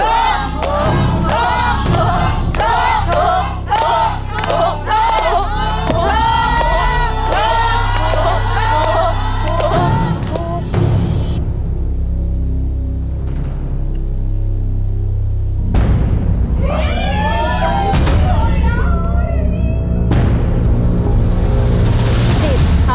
ถูก